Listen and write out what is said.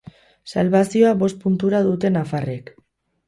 Salbazioa bost puntura dute nafarrek.